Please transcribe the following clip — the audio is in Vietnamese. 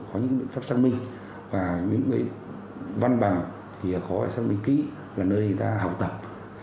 có những biện pháp xăng minh và những văn bằng có xăng minh kỹ là nơi người ta học tập